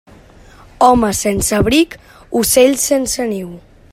Home sense abric, ocell sense niu.